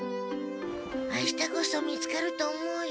明日こそ見つかると思うよ。